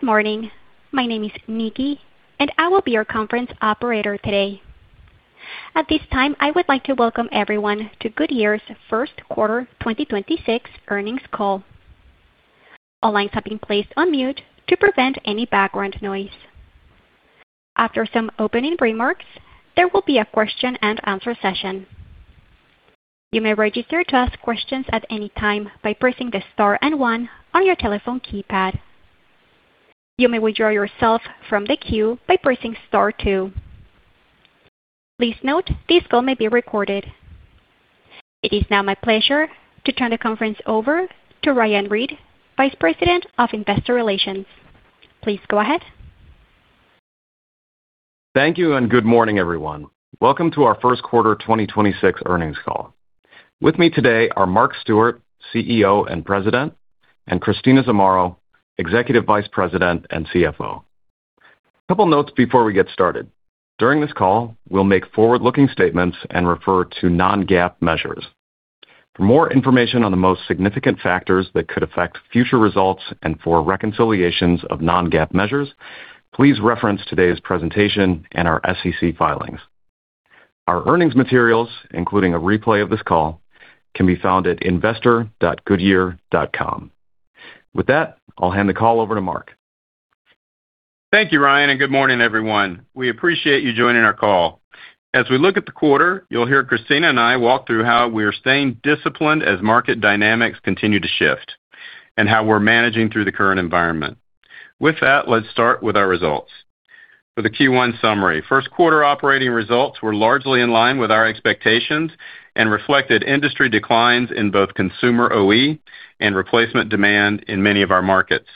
Good morning. My name is Nikki, and I will be your conference operator today. At this time, I would like to welcome everyone to Goodyear's first quarter 2026 earnings call. All lines have been placed on mute to prevent any background noise. After some opening remarks, there will be a question-and-answer session. You may register to ask questions at any time by pressing the star one on your telephone keypad. You may withdraw yourself from the queue by pressing star two. Please note this call may be recorded. It is now my pleasure to turn the conference over to Ryan Reed, Vice President, Investor Relations. Please go ahead. Thank you, and good morning, everyone. Welcome to our first quarter 2026 earnings call. With me today are Mark Stewart, CEO and President, and Christina Zamarro, Executive Vice President and CFO. A couple notes before we get started. During this call, we'll make forward-looking statements and refer to non-GAAP measures. For more information on the most significant factors that could affect future results and for reconciliations of non-GAAP measures, please reference today's presentation and our SEC filings. Our earnings materials, including a replay of this call, can be found at investor.goodyear.com. With that, I'll hand the call over to Mark. Thank you, Ryan, and good morning, everyone. We appreciate you joining our call. As we look at the quarter, you'll hear Christina and I walk through how we are staying disciplined as market dynamics continue to shift and how we're managing through the current environment. With that, let's start with our results. For the Q1 summary, first quarter operating results were largely in line with our expectations and reflected industry declines in both consumer OE and replacement demand in many of our markets.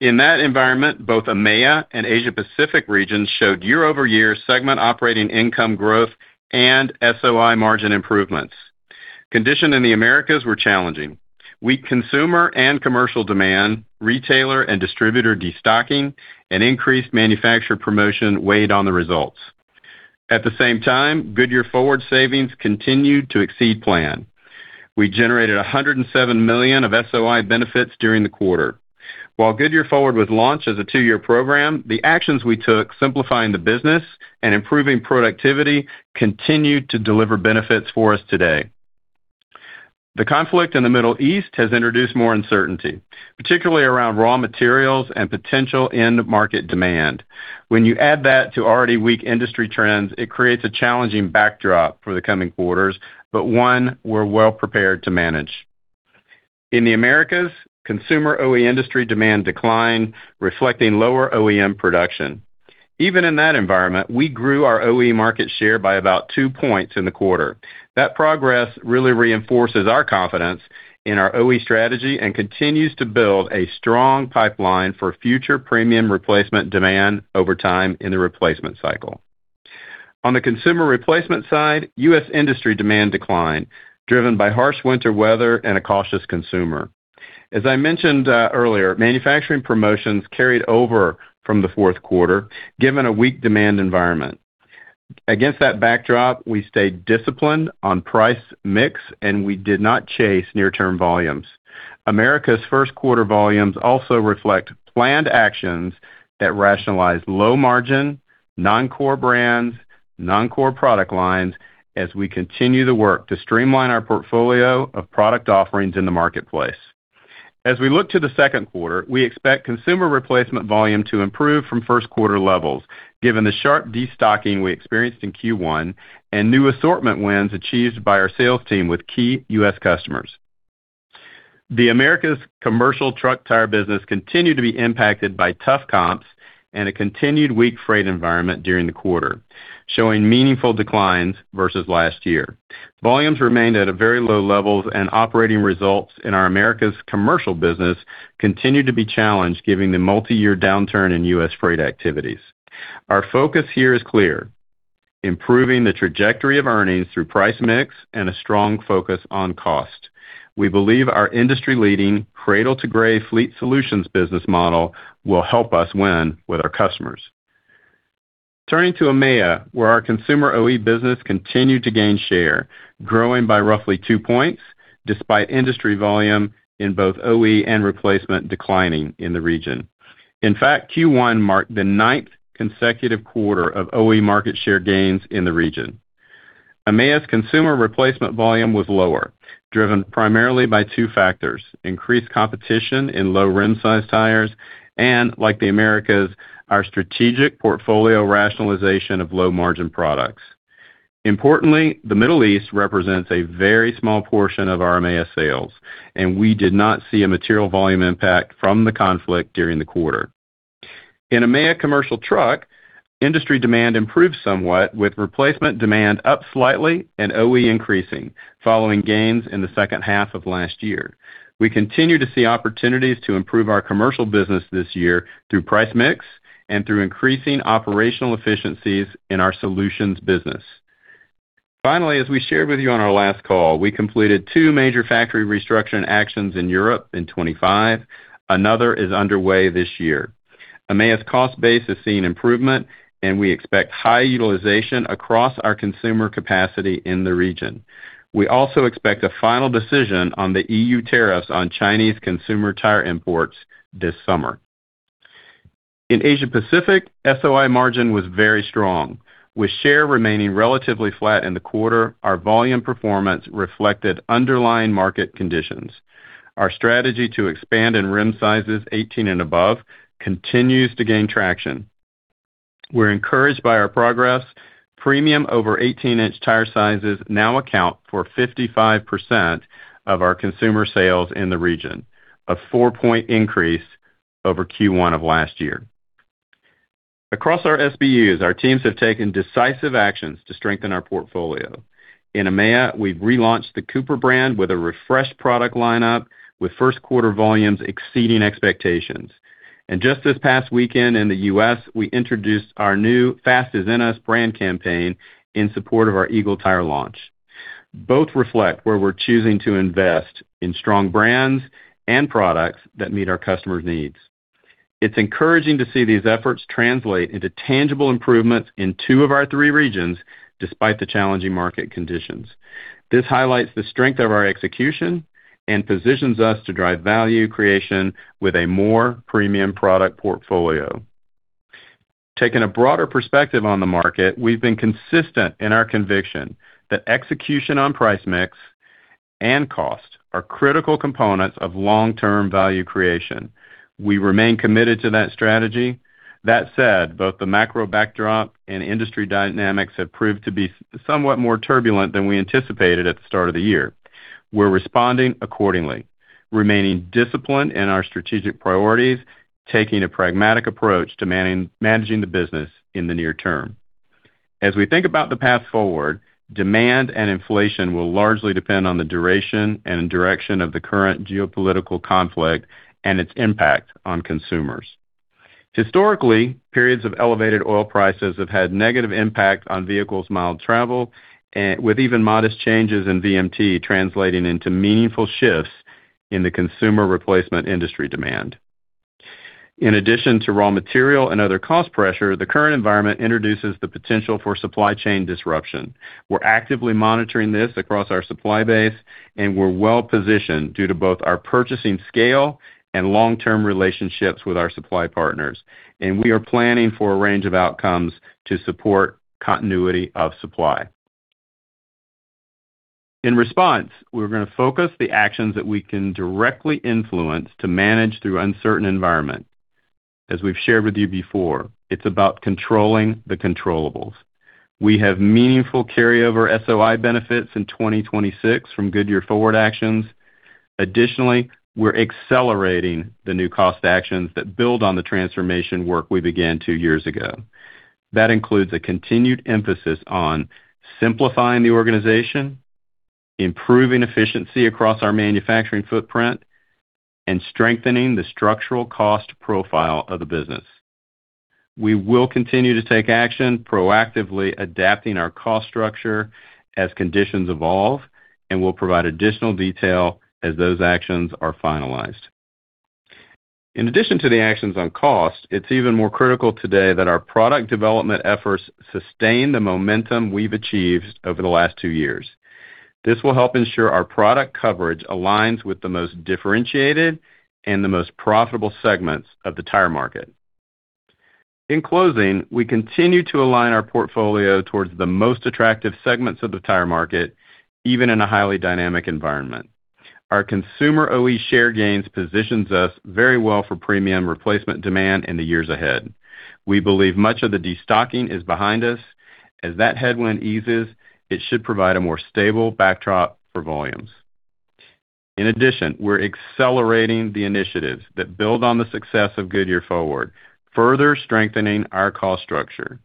In that environment, both EMEA and Asia Pacific regions showed year-over-year segment operating income growth and SOI margin improvements. Condition in the Americas were challenging. Weak consumer and commercial demand, retailer and distributor destocking, and increased manufacturer promotion weighed on the results. At the same time, Goodyear Forward savings continued to exceed plan. We generated $107 million of SOI benefits during the quarter. While Goodyear Forward was launched as a two year program, the actions we took simplifying the business and improving productivity continued to deliver benefits for us today. The conflict in the Middle East has introduced more uncertainty, particularly around raw materials and potential end market demand. When you add that to already weak industry trends, it creates a challenging backdrop for the coming quarters, one we're well-prepared to manage. In the Americas, consumer OE industry demand declined, reflecting lower OEM production. Even in that environment, we grew our OE market share by about two points in the quarter. That progress really reinforces our confidence in our OE strategy and continues to build a strong pipeline for future premium replacement demand over time in the replacement cycle. On the consumer replacement side, U.S. industry demand declined, driven by harsh winter weather and a cautious consumer. As I mentioned earlier, manufacturing promotions carried over from the fourth quarter, given a weak demand environment. Against that backdrop, we stayed disciplined on price mix, and we did not chase near-term volumes. America's first quarter volumes also reflect planned actions that rationalize low margin, non-core brands, non-core product lines as we continue the work to streamline our portfolio of product offerings in the marketplace. As we look to the second quarter, we expect consumer replacement volume to improve from first quarter levels, given the sharp destocking we experienced in Q1 and new assortment wins achieved by our sales team with key U.S. customers. The America's commercial truck tire business continued to be impacted by tough comps and a continued weak freight environment during the quarter, showing meaningful declines versus last year. Volumes remained at very low levels, and operating results in our Americas commercial business continued to be challenged given the multi-year downturn in U.S. freight activities. Our focus here is clear: improving the trajectory of earnings through price mix and a strong focus on cost. We believe our industry-leading cradle to grave fleet solutions business model will help us win with our customers. Turning to EMEA, where our consumer OE business continued to gain share, growing by roughly two points despite industry volume in both OE and replacement declining in the region. In fact, Q1 marked the ninth consecutive quarter of OE market share gains in the region. EMEA's consumer replacement volume was lower, driven primarily by two factors: increased competition in low rim size tires and, like the Americas, our strategic portfolio rationalization of low margin products. Importantly, the Middle East represents a very small portion of our EMEA sales, and we did not see a material volume impact from the conflict during the quarter. In EMEA commercial truck, industry demand improved somewhat with replacement demand up slightly and OE increasing following gains in the second half of last year. We continue to see opportunities to improve our commercial business this year through price mix and through increasing operational efficiencies in our solutions business. Finally, as we shared with you on our last call, we completed two major factory restructuring actions in Europe in 25. Another is underway this year. EMEA's cost base has seen improvement, and we expect high utilization across our consumer capacity in the region. We also expect a final decision on the EU tariffs on Chinese consumer tire imports this summer. In Asia Pacific, SOI margin was very strong. With share remaining relatively flat in the quarter, our volume performance reflected underlying market conditions. Our strategy to expand in rim sizes 18 and above continues to gain traction. We're encouraged by our progress. Premium over 18-inch tire sizes now account for 55% of our consumer sales in the region, a four point increase over Q1 of last year. Across our SBUs, our teams have taken decisive actions to strengthen our portfolio. In EMEA, we've relaunched the Cooper brand with a refreshed product lineup with first quarter volumes exceeding expectations. Just this past weekend in the U.S., we introduced our new Fast Is In Us brand campaign in support of our Eagle Tire launch. Both reflect where we're choosing to invest in strong brands and products that meet our customers' needs. It's encouraging to see these efforts translate into tangible improvements in two of our three regions, despite the challenging market conditions. This highlights the strength of our execution and positions us to drive value creation with a more premium product portfolio. Taking a broader perspective on the market, we've been consistent in our conviction that execution on price mix and cost are critical components of long-term value creation. We remain committed to that strategy. Both the macro backdrop and industry dynamics have proved to be somewhat more turbulent than we anticipated at the start of the year. We're responding accordingly, remaining disciplined in our strategic priorities, taking a pragmatic approach to managing the business in the near term. As we think about the path forward, demand and inflation will largely depend on the duration and direction of the current geopolitical conflict and its impact on consumers. Historically, periods of elevated oil prices have had negative impact on vehicle miles traveled, with even modest changes in VMT translating into meaningful shifts in the consumer replacement industry demand. In addition to raw material and other cost pressure, the current environment introduces the potential for supply chain disruption. We're actively monitoring this across our supply base, and we're well-positioned due to both our purchasing scale and long-term relationships with our supply partners, and we are planning for a range of outcomes to support continuity of supply. In response, we're gonna focus the actions that we can directly influence to manage through uncertain environment. As we've shared with you before, it's about controlling the controllables. We have meaningful carryover SOI benefits in 2026 from Goodyear Forward actions. Additionally, we're accelerating the new cost actions that build on the transformation work we began two years ago. That includes a continued emphasis on simplifying the organization, improving efficiency across our manufacturing footprint, and strengthening the structural cost profile of the business. We will continue to take action, proactively adapting our cost structure as conditions evolve, and we'll provide additional detail as those actions are finalized. In addition to the actions on cost, it's even more critical today that our product development efforts sustain the momentum we've achieved over the last two years. This will help ensure our product coverage aligns with the most differentiated and the most profitable segments of the tire market. In closing, we continue to align our portfolio towards the most attractive segments of the tire market, even in a highly dynamic environment. Our consumer OE share gains positions us very well for premium replacement demand in the years ahead. We believe much of the destocking is behind us. As that headwind eases, it should provide a more stable backdrop for volumes. In addition, we're accelerating the initiatives that build on the success of Goodyear Forward, further strengthening our cost structure.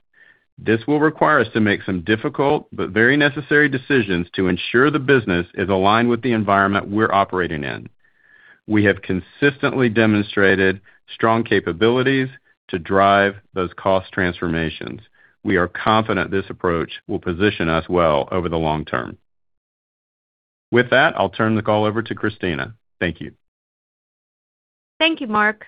This will require us to make some difficult but very necessary decisions to ensure the business is aligned with the environment we're operating in. We have consistently demonstrated strong capabilities to drive those cost transformations. We are confident this approach will position us well over the long term. With that, I'll turn the call over to Christina. Thank you. Thank you, Mark.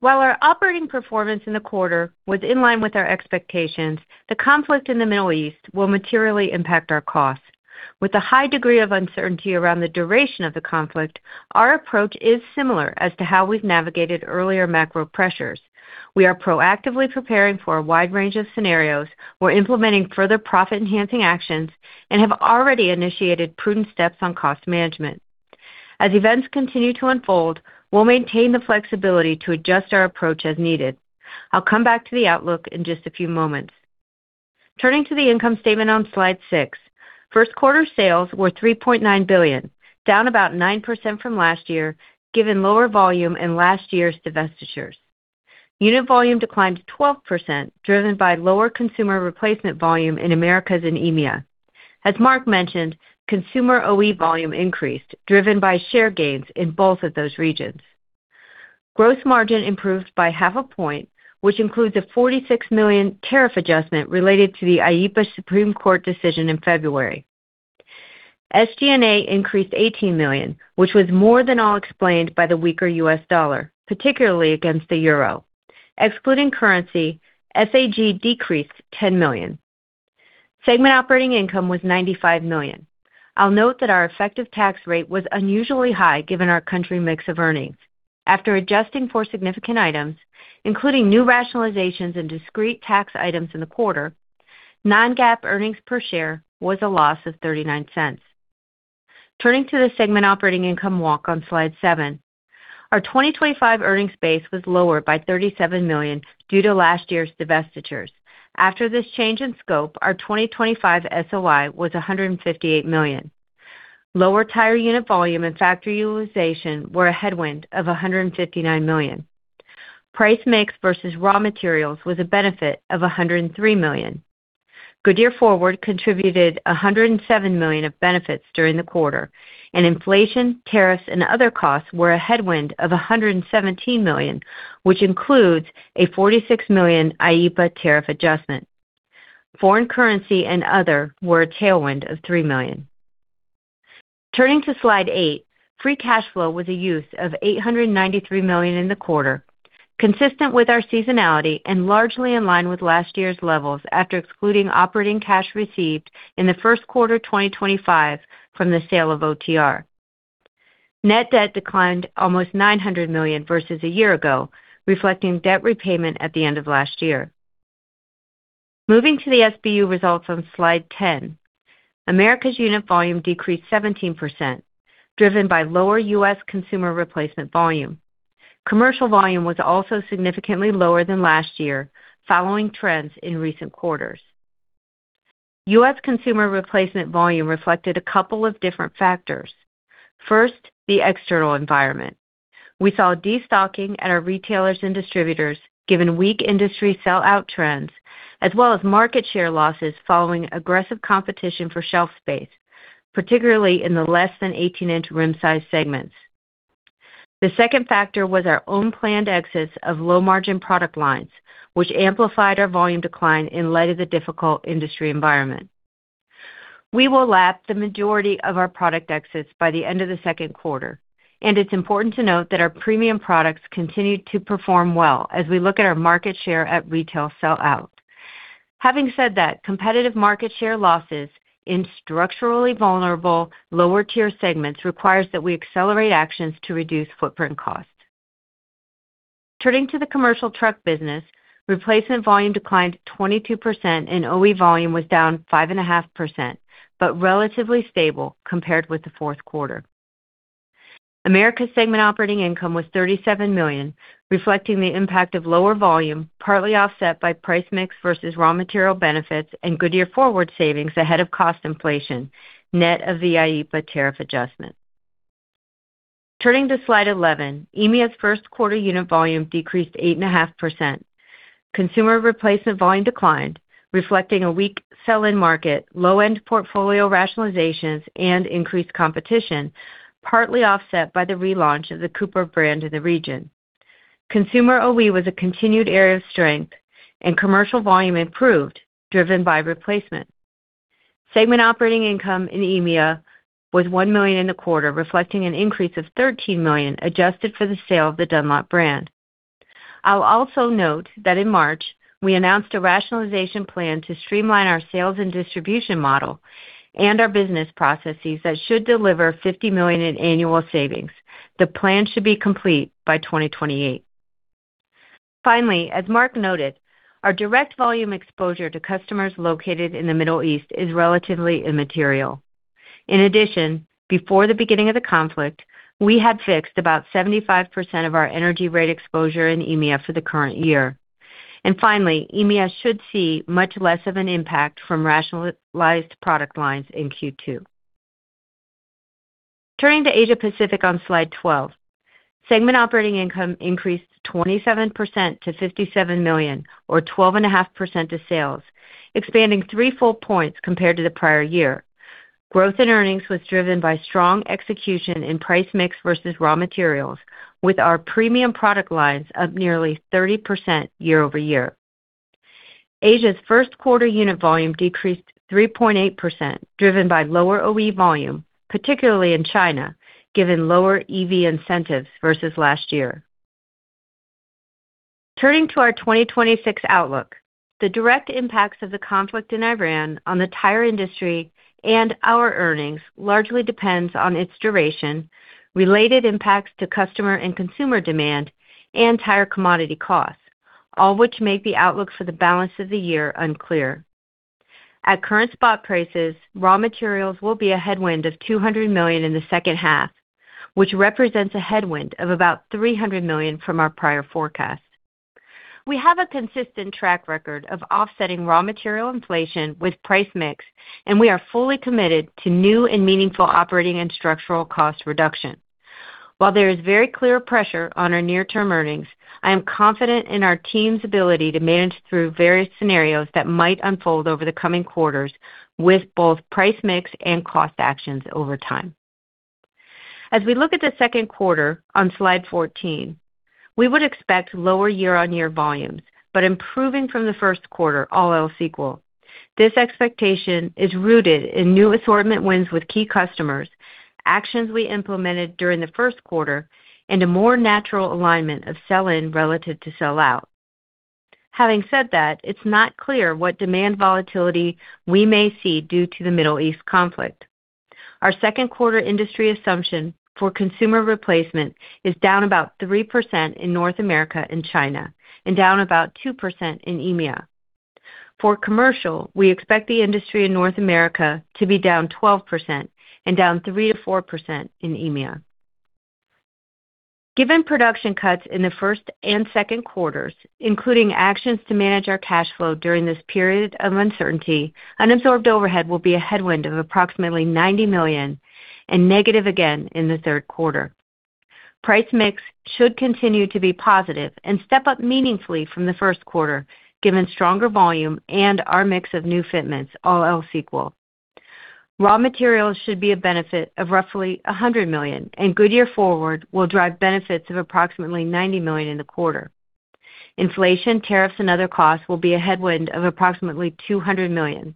While our operating performance in the quarter was in line with our expectations, the conflict in the Middle East will materially impact our costs. With a high degree of uncertainty around the duration of the conflict, our approach is similar as to how we've navigated earlier macro pressures. We are proactively preparing for a wide range of scenarios. We're implementing further profit-enhancing actions and have already initiated prudent steps on cost management. As events continue to unfold, we'll maintain the flexibility to adjust our approach as needed. I'll come back to the outlook in just a few moments. Turning to the income statement on slide six, first quarter sales were $3.9 billion, down about 9% from last year, given lower volume and last year's divestitures. Unit volume declined 12%, driven by lower consumer replacement volume in Americas and EMEA. As Mark mentioned, consumer OE volume increased, driven by share gains in both of those regions. Gross margin improved by half a point, which includes a $46 million tariff adjustment related to the IEEPA Supreme Court decision in February. SG&A increased $18 million, which was more than all explained by the weaker US dollar, particularly against the euro. Excluding currency, SG&A decreased $10 million. Segment operating income was $95 million. I'll note that our effective tax rate was unusually high given our country mix of earnings. After adjusting for significant items, including new rationalizations and discrete tax items in the quarter, non-GAAP earnings per share was a loss of $0.39. Turning to the segment operating income walk on Slide seven. Our 2025 earnings base was lower by $37 million due to last year's divestitures. After this change in scope, our 2025 SOI was $158 million. Lower tire unit volume and factory utilization were a headwind of $159 million. Price mix versus raw materials was a benefit of $103 million. Goodyear Forward contributed $107 million of benefits during the quarter, and inflation, tariffs, and other costs were a headwind of $117 million, which includes a $46 million IEEPA tariff adjustment. Foreign currency and other were a tailwind of $3 million. Turning to Slide eight, free cash flow was a use of $893 million in the quarter, consistent with our seasonality and largely in line with last year's levels after excluding operating cash received in the first quarter 2025 from the sale of OTR. Net debt declined almost $900 million versus a year ago, reflecting debt repayment at the end of last year. Moving to the SBU results on Slide 10. Americas unit volume decreased 17%, driven by lower U.S. consumer replacement volume. Commercial volume was also significantly lower than last year, following trends in recent quarters. U.S. consumer replacement volume reflected a couple of different factors. First, the external environment. We saw destocking at our retailers and distributors given weak industry sellout trends, as well as market share losses following aggressive competition for shelf space, particularly in the less than 18-inch rim size segments. The second factor was our own planned exits of low-margin product lines, which amplified our volume decline in light of the difficult industry environment. We will lap the majority of our product exits by the end of the second quarter, and it's important to note that our premium products continued to perform well as we look at our market share at retail sell out. Having said that, competitive market share losses in structurally vulnerable lower tier segments requires that we accelerate actions to reduce footprint costs. Turning to the commercial truck business, replacement volume declined 22% and OE volume was down 5.5%, but relatively stable compared with the fourth quarter. Americas segment operating income was $37 million, reflecting the impact of lower volume, partly offset by price mix versus raw material benefits and Goodyear Forward savings ahead of cost inflation, net of the IEEPA tariff adjustment. Turning to Slide 11, EMEA's first quarter unit volume decreased 8.5%. Consumer replacement volume declined, reflecting a weak sell-in market, low-end portfolio rationalizations, and increased competition, partly offset by the relaunch of the Cooper brand in the region. Consumer OE was a continued area of strength, and commercial volume improved, driven by replacement. Segment operating income in EMEA was $1 million in the quarter, reflecting an increase of $13 million adjusted for the sale of the Dunlop brand. I'll also note that in March, we announced a rationalization plan to streamline our sales and distribution model and our business processes that should deliver $50 million in annual savings. The plan should be complete by 2028. Finally, as Mark noted, our direct volume exposure to customers located in the Middle East is relatively immaterial. In addition, before the beginning of the conflict, we had fixed about 75% of our energy rate exposure in EMEA for the current year. Finally, EMEA should see much less of an impact from rationalized product lines in Q2. Turning to Asia Pacific on Slide 12. Segment operating income increased 27% to $57 million or 12.5% of sales, expanding three full points compared to the prior year. Growth in earnings was driven by strong execution in price mix versus raw materials with our premium product lines up nearly 30% year over year. Asia's first quarter unit volume decreased 3.8%, driven by lower OE volume, particularly in China, given lower EV incentives versus last year. Turning to our 2026 outlook. The direct impacts of the conflict in Iran on the tire industry and our earnings largely depends on its duration, related impacts to customer and consumer demand, and tire commodity costs, all which make the outlook for the balance of the year unclear. At current spot prices, raw materials will be a headwind of $200 million in the second half, which represents a headwind of about $300 million from our prior forecast. We have a consistent track record of offsetting raw material inflation with price mix, and we are fully committed to new and meaningful operating and structural cost reduction. While there is very clear pressure on our near-term earnings, I am confident in our team's ability to manage through various scenarios that might unfold over the coming quarters with both price mix and cost actions over time. As we look at the second quarter on slide 14, we would expect lower year-over-year volumes, but improving from the first quarter, all else equal. This expectation is rooted in new assortment wins with key customers, actions we implemented during the first quarter, and a more natural alignment of sell-in relative to sell-out. It's not clear what demand volatility we may see due to the Middle East conflict. Our second quarter industry assumption for consumer replacement is down about 3% in North America and China and down about 2% in EMEA. For commercial, we expect the industry in North America to be down 12% and down 3%-4% in EMEA. Given production cuts in the first and second quarters, including actions to manage our cash flow during this period of uncertainty, unabsorbed overhead will be a headwind of approximately $90 million and negative again in the third quarter. Price mix should continue to be positive and step up meaningfully from the first quarter given stronger volume and our mix of new fitments, all else equal. Raw materials should be a benefit of roughly $100 million. Goodyear Forward will drive benefits of approximately $90 million in the quarter. Inflation, tariffs, and other costs will be a headwind of approximately $200 million.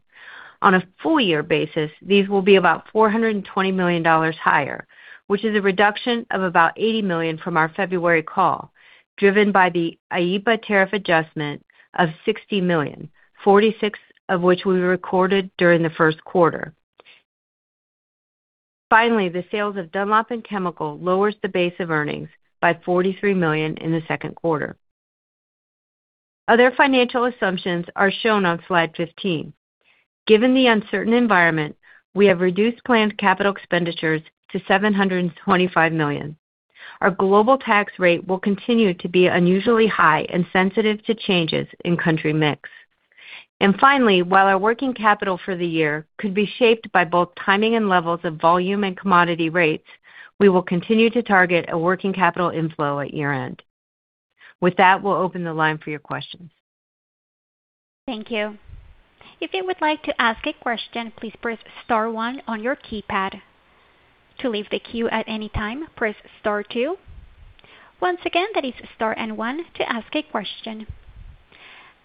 On a full year basis, these will be about $420 million higher, which is a reduction of about $80 million from our February call, driven by the IEEPA tariff adjustment of $60 million, $46 million of which we recorded during the first quarter. Finally, the sales of Dunlop and Chemical lowers the base of earnings by $43 million in the second quarter. Other financial assumptions are shown on slide 15. Given the uncertain environment, we have reduced planned capital expenditures to $725 million. Our global tax rate will continue to be unusually high and sensitive to changes in country mix. Finally, while our working capital for the year could be shaped by both timing and levels of volume and commodity rates, we will continue to target a working capital inflow at year-end. With that, we will open the line for your questions. Thank you. If you would like to ask a question, please press star one on your keypad. To leave the queue at any time, press star two. Once again, that is star and one to ask a question.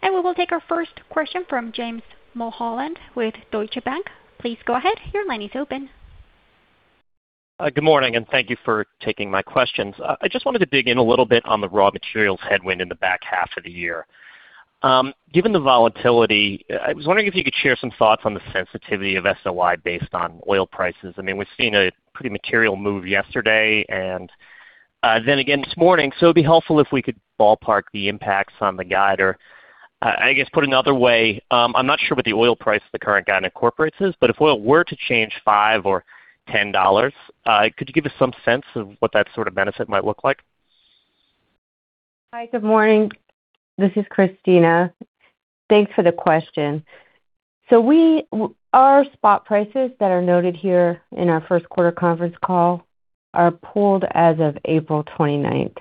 We will take our first question from James Mulholland with Deutsche Bank. Please go ahead. Your line is open. Good morning, thank you for taking my questions. I just wanted to dig in a little bit on the raw materials headwind in the back half of the year. Given the volatility, I was wondering if you could share some thoughts on the sensitivity of SOI based on oil prices. I mean, we've seen a pretty material move yesterday and then again this morning, so it'd be helpful if we could ballpark the impacts on the guide. I guess put another way, I'm not sure what the oil price the current guide incorporates is, but if oil were to change $5 or $10, could you give us some sense of what that sort of benefit might look like? Hi. Good morning. This is Christina. Thanks for the question. Our spot prices that are noted here in our first quarter conference call are pooled as of April 29th.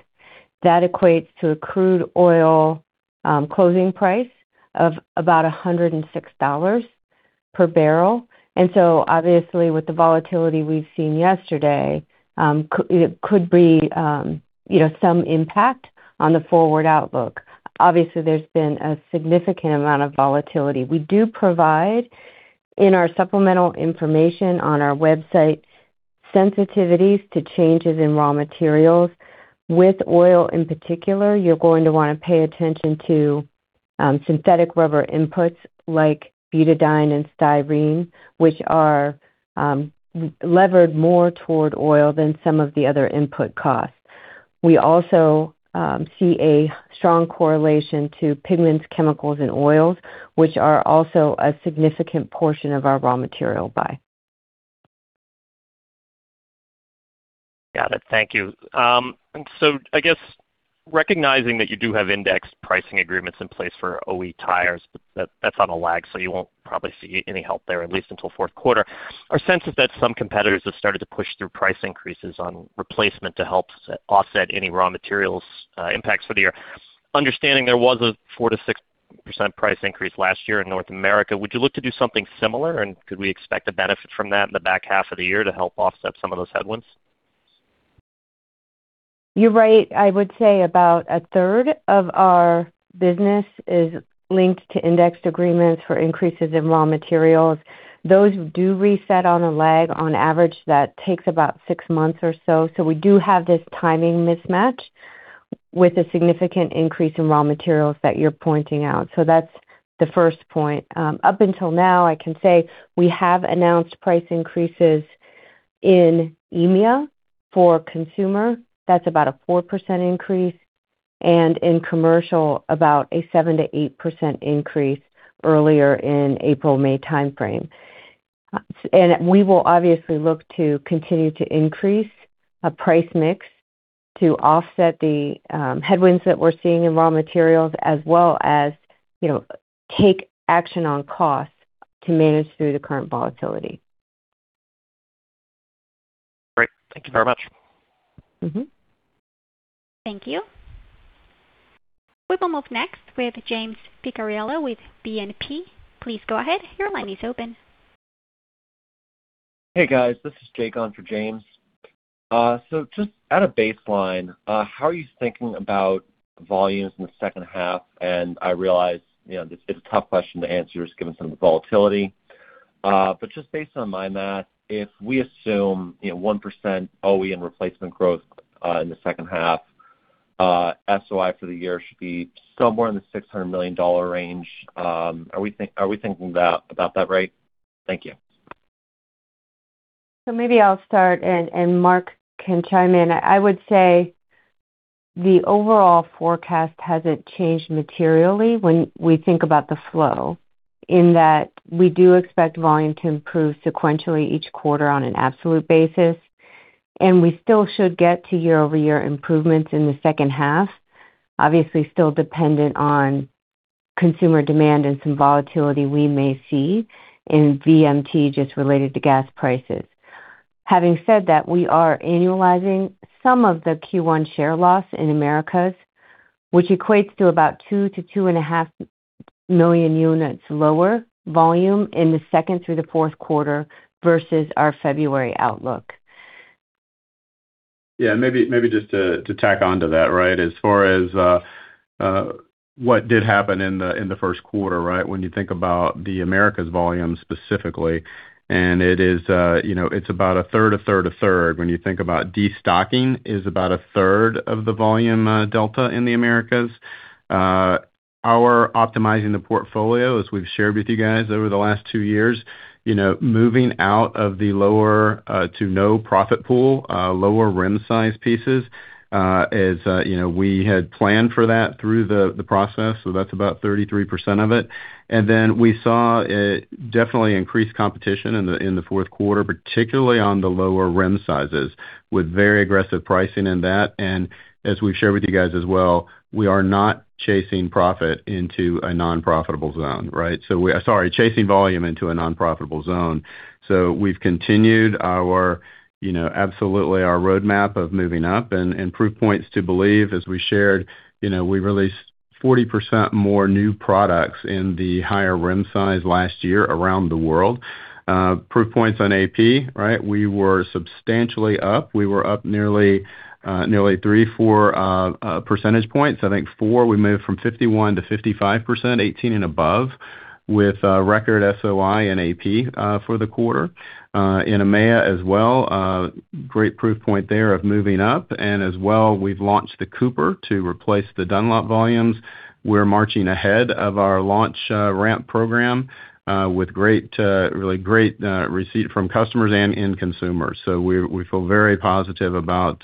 That equates to a crude oil closing price of about $106 per barrel. Obviously with the volatility we've seen yesterday, you know, some impact on the forward outlook. Obviously, there's been a significant amount of volatility. We do provide, in our supplemental information on our website, sensitivities to changes in raw materials. With oil in particular, you're going to wanna pay attention to synthetic rubber inputs like butadiene and styrene, which are levered more toward oil than some of the other input costs. We also see a strong correlation to pigments, chemicals, and oils, which are also a significant portion of our raw material buy. Got it. Thank you. I guess recognizing that you do have index pricing agreements in place for OE tires, but that's on a lag, so you won't probably see any help there at least until fourth quarter. Our sense is that some competitors have started to push through price increases on replacement to help offset any raw materials impacts for the year. Understanding there was a 4%-6% price increase last year in North America, would you look to do something similar, and could we expect a benefit from that in the back half of the year to help offset some of those headwinds? You're right. I would say about a third of our business is linked to indexed agreements for increases in raw materials. Those do reset on a lag. On average, that takes about six months or so. We do have this timing mismatch with a significant increase in raw materials that you're pointing out. That's the first point. Up until now, I can say we have announced price increases in EMEA for consumer. That's about a 4% increase, and in commercial, about a 7%-8% increase earlier in April-May timeframe. We will obviously look to continue to increase a price mix to offset the headwinds that we're seeing in raw materials as well as, you know, take action on costs to manage through the current volatility. Great. Thank you very much. Thank you. We will move next with James Picariello with BNP. Please go ahead. Your line is open. Hey guys, this is Jake on for James. Just at a baseline, how are you thinking about volumes in the second half? I realize, you know, this is a tough question to answer just given some of the volatility. Just based on my math, if we assume, you know 1% OE and replacement growth in the second half, SOI for the year should be somewhere in the $600 million range. Are we thinking about that right? Thank you. Maybe I'll start and Mark can chime in. I would say the overall forecast hasn't changed materially when we think about the flow, in that we do expect volume to improve sequentially each quarter on an absolute basis. We still should get to year-over-year improvements in the second half. Obviously, still dependent on consumer demand and some volatility we may see in VMT just related to gas prices. Having said that, we are annualizing some of the Q1 share loss in Americas, which equates to about 2 million-2.5 million units lower volume in the second through the fourth quarter versus our February outlook. Yeah, maybe just to tack on to that, right. As far as what did happen in the first quarter, right. When you think about the Americas volume specifically, and it is, you know, it's about a third, a third, a third. When you think about destocking is about a third of the volume delta in the Americas. Our optimizing the portfolio, as we've shared with you guys over the last two years, you know, moving out of the lower to no profit pool, lower rim size pieces, is, you know, we had planned for that through the process. So that's about 33% of it. Then we saw a definitely increased competition in the fourth quarter, particularly on the lower rim sizes with very aggressive pricing in that. As we've shared with you guys as well, we are not chasing profit into a non-profitable zone, right? We, sorry, chasing volume into a non-profitable zone. We've continued our, you know, absolutely our roadmap of moving up and proof points to believe, as we shared, you know, we released 40% more new products in the higher rim size last year around the world. Proof points on AP, right? We were substantially up. We were up nearly 3, 4 percentage points. I think 4. We moved from 51%-55%, 18 and above, with record SOI and AP for the quarter. In EMEA as well, great proof point there of moving up. As well, we've launched the Cooper to replace the Dunlop volumes. We're marching ahead of our launch ramp program with great, really great receipt from customers and end consumers. We feel very positive about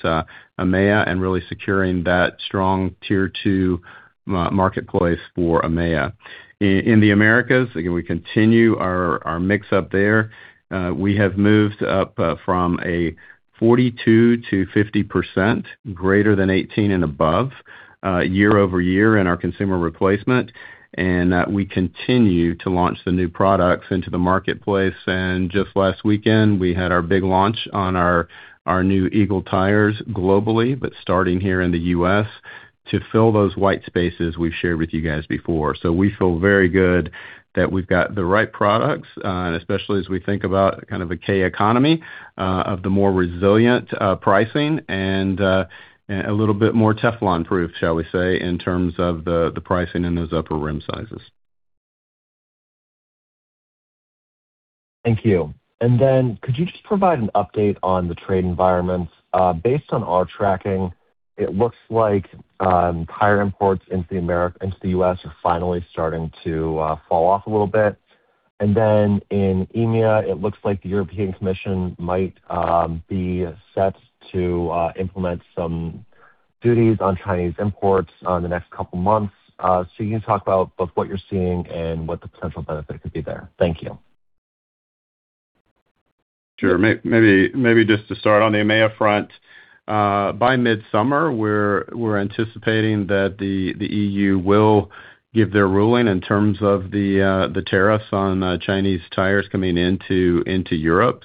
EMEA and really securing that strong tier two marketplace for EMEA. In the Americas, again, we continue our mix-up there. We have moved up from a 42%-50% greater than 18 and above year-over-year in our consumer replacement. We continue to launch the new products into the marketplace. Just last weekend, we had our big launch on our new Eagle tires globally, but starting here in the U.S., to fill those white spaces we've shared with you guys before. We feel very good that we've got the right products, especially as we think about kind of a K-shaped economy, of the more resilient pricing and a little bit more Teflon proof, shall we say, in terms of the pricing in those upper rim sizes. Thank you. Could you just provide an update on the trade environment? Based on our tracking, it looks like tire imports into the U.S. are finally starting to fall off a little bit. In EMEA, it looks like the European Commission might be set to implement some duties on Chinese imports on the next couple of months. You can talk about both what you're seeing and what the potential benefit could be there. Thank you. Sure. Maybe just to start on the EMEA front. By mid-summer, we're anticipating that the EU will give their ruling in terms of the tariffs on Chinese tires coming into Europe.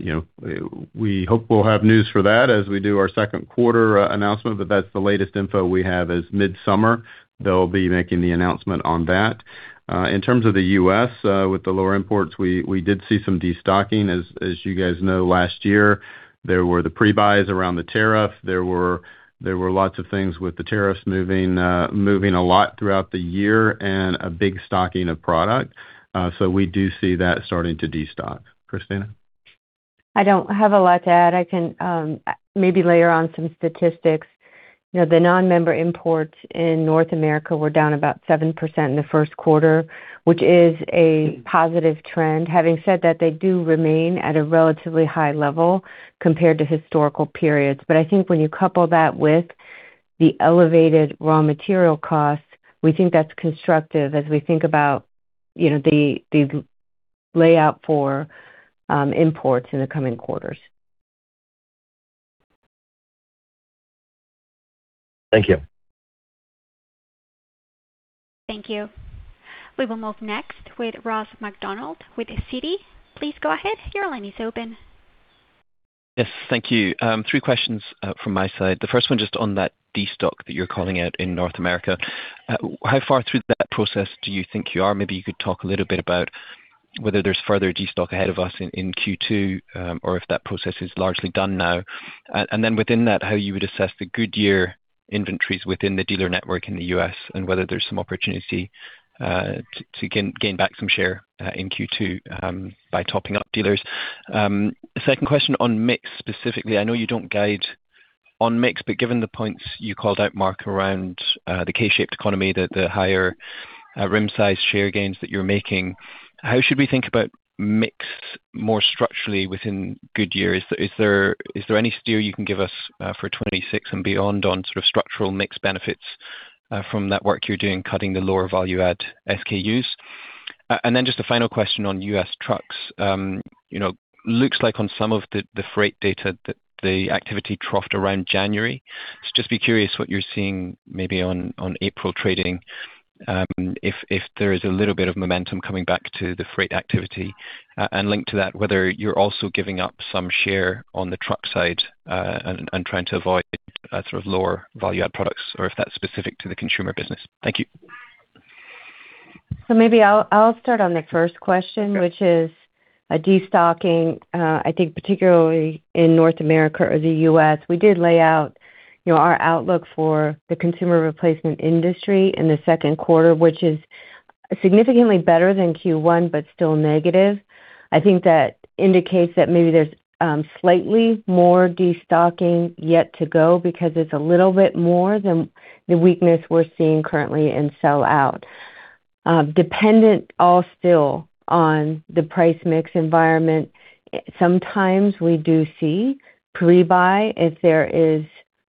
You know, we hope we'll have news for that as we do our second quarter announcement, but that's the latest info we have, is mid-summer they'll be making the announcement on that. In terms of the U.S., with the lower imports, we did see some destocking. As you guys know, last year, there were the pre-buys around the tariff. There were lots of things with the tariffs moving a lot throughout the year and a big stocking of product. We do see that starting to destock. Christina? I don't have a lot to add. I can maybe layer on some statistics. You know, the non-member imports in North America were down about 7% in the first quarter, which is a positive trend. Having said that, they do remain at a relatively high level compared to historical periods. I think when you couple that with the elevated raw material costs, we think that's constructive as we think about, you know, the layout for imports in the coming quarters. Thank you. Thank you. We will move next with Ross MacDonald with Citi. Yes, thank you. Three questions from my side. The first one just on that destock that you're calling out in North America. How far through that process do you think you are? Maybe you could talk a little bit about whether there's further destock ahead of us in Q2, or if that process is largely done now. Then within that, how you would assess the Goodyear inventories within the dealer network in the U.S. and whether there's some opportunity to gain back some share in Q2 by topping up dealers. Second question on mix specifically. I know you don't guide on mix, given the points you called out, Mark, around the K-shaped economy, the higher rim size share gains that you're making, how should we think about mix more structurally within Goodyear? Is there any steer you can give us for 2026 and beyond on sort of structural mix benefits from that work you're doing cutting the lower value add SKUs? Then just a final question on U.S. trucks. You know, looks like on some of the freight data that the activity troughed around January. Just be curious what you're seeing maybe on April trading, if there is a little bit of momentum coming back to the freight activity. Linked to that, whether you're also giving up some share on the truck side and trying to avoid sort of lower value add products or if that's specific to the consumer business. Thank you. Maybe I'll start on the first question. Sure which is destocking. I think particularly in North America or the U.S., we did lay out, you know, our outlook for the consumer replacement industry in the second quarter, which is significantly better than Q1, but still negative. I think that indicates that maybe there's slightly more destocking yet to go because it's a little bit more than the weakness we're seeing currently in sell out. Dependent all still on the price mix environment. Sometimes we do see pre-buy if there is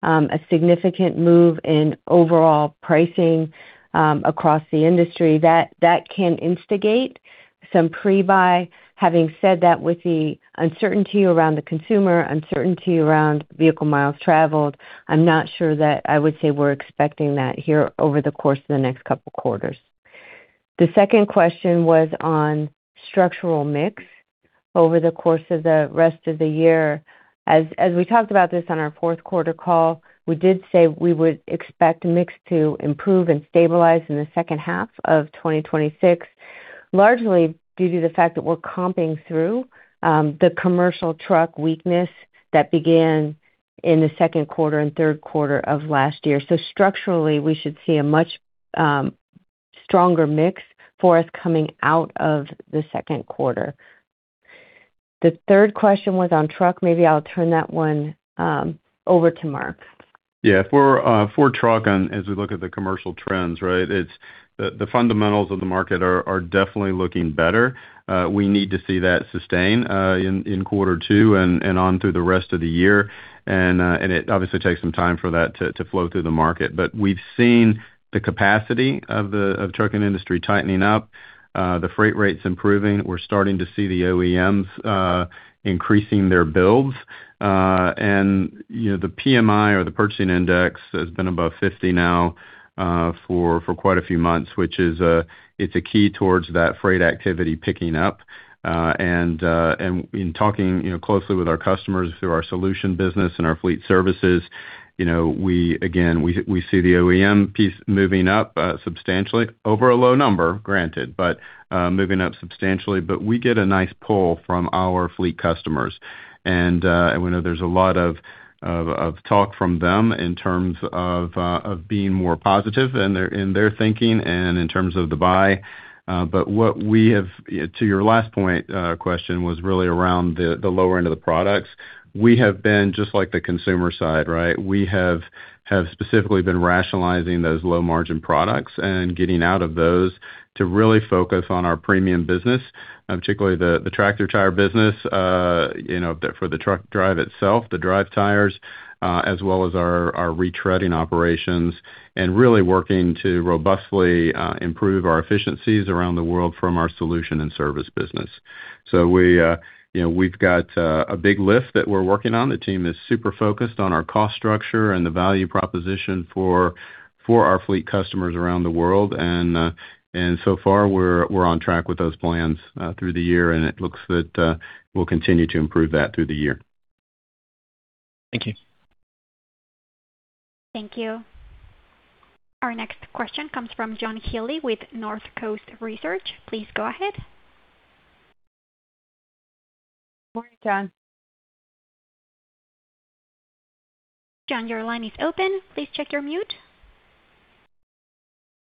a significant move in overall pricing across the industry, that can instigate some pre-buy. Having said that, with the uncertainty around the consumer, uncertainty around vehicle miles traveled, I'm not sure that I would say we're expecting that here over the course of the next couple quarters. The second question was on structural mix over the course of the rest of the year. As we talked about this on our fourth quarter call, we did say we would expect mix to improve and stabilize in the second half of 2026, largely due to the fact that we're comping through the commercial truck weakness that began in the second quarter and third quarter of last year. Structurally, we should see a much stronger mix for us coming out of the second quarter. The third question was on truck. Maybe I'll turn that one over to Mark. Yeah. For truck. As we look at the commercial trends, right? The fundamentals of the market are definitely looking better. We need to see that sustain in quarter two and on through the rest of the year. It obviously takes some time for that to flow through the market. We've seen the capacity of the trucking industry tightening up, the freight rates improving. We're starting to see the OEMs increasing their builds. You know, the PMI or the purchasing index has been above 50 now for quite a few months, which is a key towards that freight activity picking up. In talking, you know, closely with our customers through our solution business and our fleet services, you know, we again, we see the OEM piece moving up substantially over a low number, granted, but moving up substantially. We get a nice pull from our fleet customers. We know there's a lot of talk from them in terms of being more positive in their thinking and in terms of the buy. What we have To your last point, question was really around the lower end of the products. We have been just like the consumer side, right? We have specifically been rationalizing those low margin products and getting out of those to really focus on our premium business, particularly the tractor tire business, you know, for the truck drive itself, the drive tires, as well as our retreading operations, and really working to robustly improve our efficiencies around the world from our solution and service business. We, you know, we've got a big lift that we're working on. The team is super focused on our cost structure and the value proposition for our fleet customers around the world. So far, we're on track with those plans through the year, and it looks that we'll continue to improve that through the year. Thank you. Thank you. Our next question comes from John Healy with Northcoast Research. Please go ahead. Morning, John. John, your line is open. Please check your mute.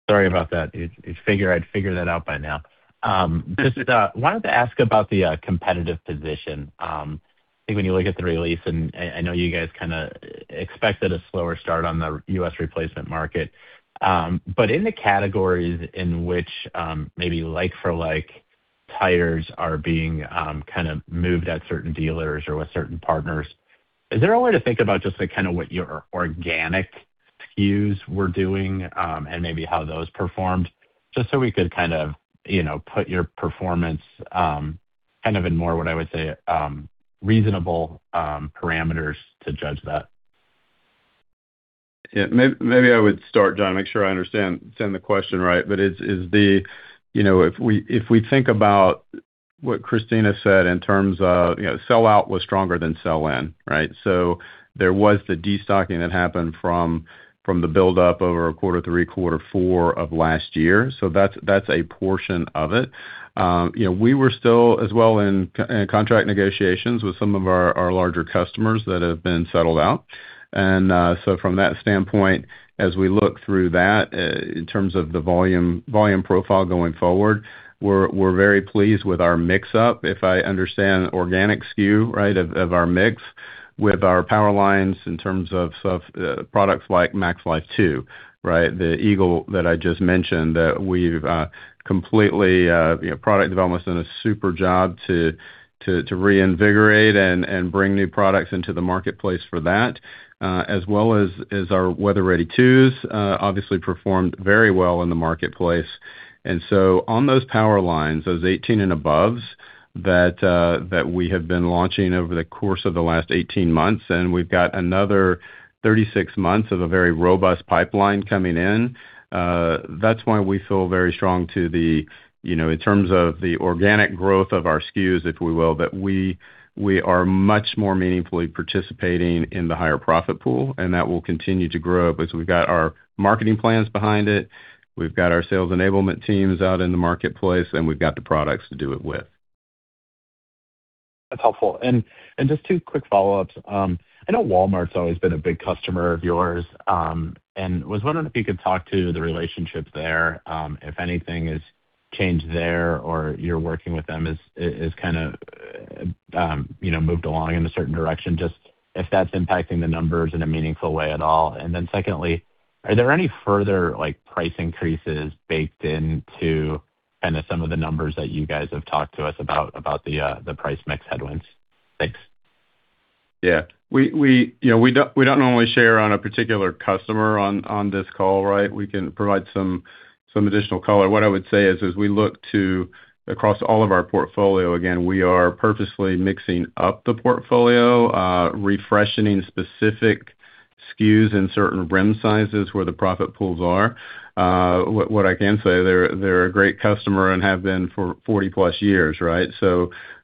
Sorry about that. You'd figure I'd figure that out by now. Wanted to ask about the competitive position. I think when you look at the release and I know you guys kind of expected a slower start on the U.S. replacement market. In the categories in which maybe like for like tires are being kind of moved at certain dealers or with certain partners, is there a way to think about just like kind of what your organic SKUs were doing and maybe how those performed? We could kind of, you know, put your performance kind of in more what I would say reasonable parameters to judge that. Yeah, maybe I would start, John, make sure I understand the question right. Is the You know, if we think about what Christina said in terms of, you know, sell out was stronger than sell in, right? There was the destocking that happened from the buildup over quarter three, quarter four of last year. You know, we were still as well in contract negotiations with some of our larger customers that have been settled out. From that standpoint, as we look through that, in terms of the volume profile going forward, we're very pleased with our mix up. If I understand organic SKU, right, of our mix with our power lines in terms of products like MaxLife 2, right? The Eagle that I just mentioned, that we've, completely, you know, product development's done a super job to reinvigorate and bring new products into the marketplace for that, as well as our WeatherReady twos, obviously performed very well in the marketplace. On those power lines, those 18 and above that we have been launching over the course of the last 18 months, and we've got another 36 months of a very robust pipeline coming in, that's why we feel very strong to the You know, in terms of the organic growth of our SKUs, if we will, that we are much more meaningfully participating in the higher profit pool, and that will continue to grow as we've got our marketing plans behind it, we've got our sales enablement teams out in the marketplace, and we've got the products to do it with. That's helpful. Just two quick follow-ups. I know Walmart's always been a big customer of yours, and was wondering if you could talk to the relationship there, if anything has changed there or you're working with them as kinda, you know, moved along in a certain direction, just if that's impacting the numbers in a meaningful way at all. Secondly, are there any further, like, price increases baked into kinda some of the numbers that you guys have talked to us about the price mix headwinds? Thanks. We, you know, we don't normally share on a particular customer on this call, right? We can provide some additional color. What I would say is as we look to across all of our portfolio, again, we are purposefully mixing up the portfolio, refreshening specific SKUs in certain rim sizes where the profit pools are. What I can say, they're a great customer and have been for 40+ years, right?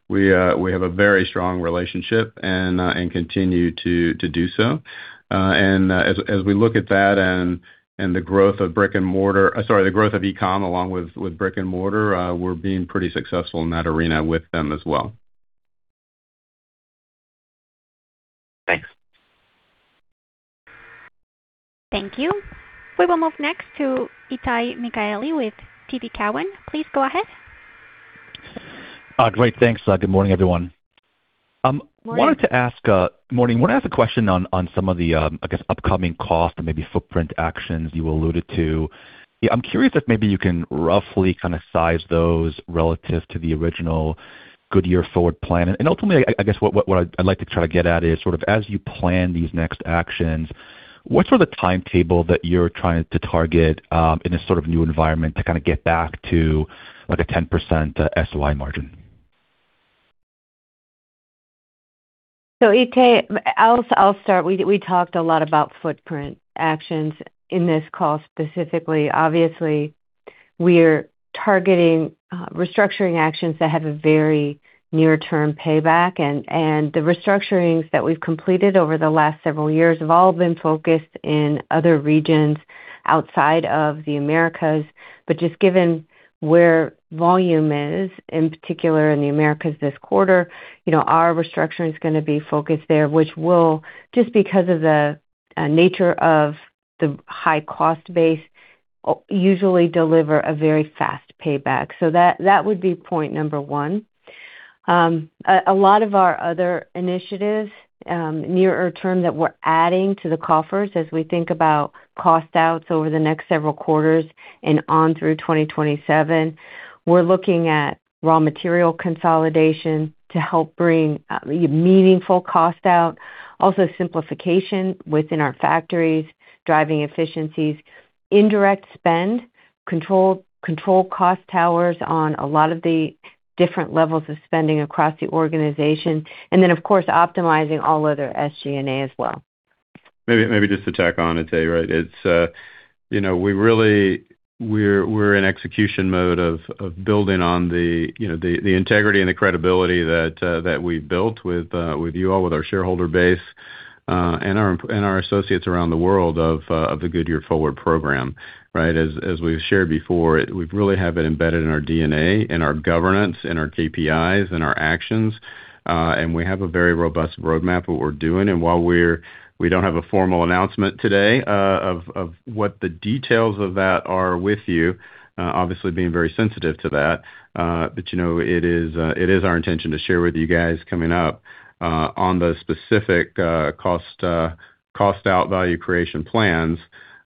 We have a very strong relationship and continue to do so. And as we look at that and the growth of brick-and-mortar-- sorry, the growth of e-com along with brick-and-mortar, we're being pretty successful in that arena with them as well. Thanks. Thank you. We will move next to Itay Michaeli with TD Cowen. Please go ahead. Great. Thanks. Good morning, everyone. Morning. Morning. Wanted to ask a question on some of the, I guess, upcoming cost or maybe footprint actions you alluded to. I'm curious if maybe you can roughly size those relative to the original Goodyear Forward plan. Ultimately, I guess what I'd like to try to get at is as you plan these next actions, what's the timetable that you're trying to target in this new environment to get back to a 10% SOI margin? Itay, I'll start. We talked a lot about footprint actions in this call specifically. Obviously, we're targeting restructuring actions that have a very near-term payback. The restructurings that we've completed over the last several years have all been focused in other regions outside of the Americas. Just given where volume is, in particular in the Americas this quarter, you know, our restructuring is gonna be focused there, which will, just because of the nature of the high cost base, usually deliver a very fast payback. That would be point number one. A lot of our other initiatives, nearer term that we're adding to the coffers as we think about cost outs over the next several quarters and on through 2027, we're looking at raw material consolidation to help bring meaningful cost out. Simplification within our factories, driving efficiencies. Indirect spend, control cost towers on a lot of the different levels of spending across the organization. Of course, optimizing all other SG&A as well. Maybe just to tack on, Itay, right? It's, you know, we're in execution mode of building on the, you know, the integrity and the credibility that we've built with you all, with our shareholder base, and our associates around the world of the Goodyear Forward program, right? As we've shared before, we really have it embedded in our DNA, in our governance, in our KPIs, in our actions, and we have a very robust roadmap of what we're doing. While we don't have a formal announcement today, of what the details of that are with you, obviously being very sensitive to that, you know, it is our intention to share with you guys coming up on the specific cost out value creation plans.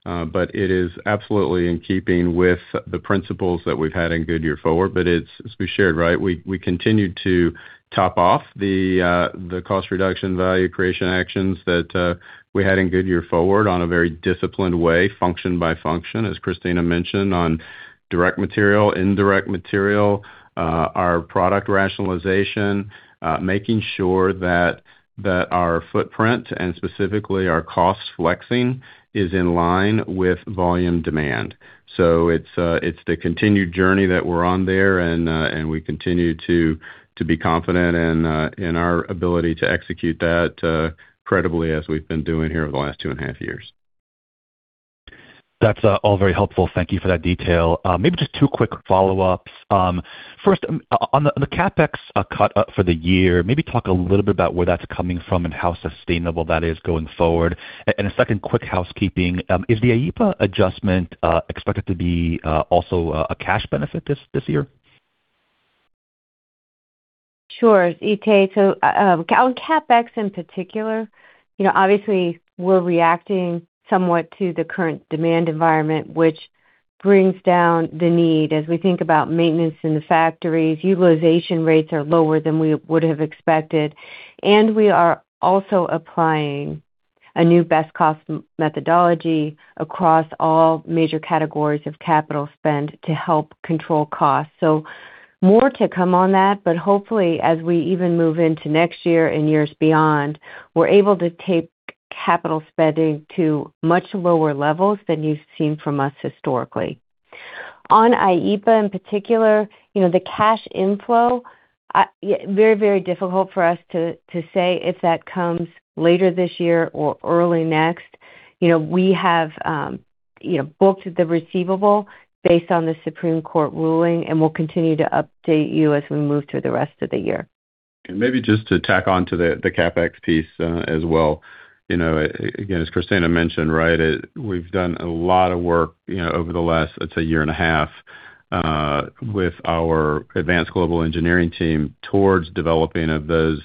It is absolutely in keeping with the principles that we've had in Goodyear Forward. It's, as we shared, right, we continue to top off the cost reduction value creation actions that we had in Goodyear Forward on a very disciplined way, function by function, as Christina mentioned, direct material, indirect material, our product rationalization, making sure that our footprint and specifically our cost flexing is in line with volume demand. It's the continued journey that we're on there, and we continue to be confident in our ability to execute that credibly as we've been doing here over the last two and a half years. That's all very helpful. Thank you for that detail. Maybe just two quick follow-ups. First, on the CapEx cut up for the year, maybe talk a little bit about where that's coming from and how sustainable that is going forward. A second quick housekeeping, is the IEEPA adjustment expected to be also a cash benefit this year? Sure, Itay. On CapEx in particular, you know, obviously we're reacting somewhat to the current demand environment, which brings down the need. As we think about maintenance in the factories, utilization rates are lower than we would have expected, and we are also applying a new best cost methodology across all major categories of capital spend to help control costs. More to come on that, but hopefully, as we even move into next year and years beyond, we're able to take capital spending to much lower levels than you've seen from us historically. On IEEPA, in particular, you know, the cash inflow, very, very difficult for us to say if that comes later this year or early next. You know, we have, you know, booked the receivable based on the Supreme Court ruling, and we'll continue to update you as we move through the rest of the year. Maybe just to tack on to the CapEx piece as well. You know, again, as Christina mentioned, right, we've done a lot of work, you know, over the last, let's say, year and a half, with our advanced global engineering team towards developing of those